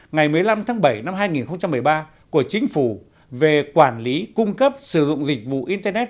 ngày một mươi năm tháng bảy năm hai nghìn một mươi ba của chính phủ về quản lý cung cấp sử dụng dịch vụ internet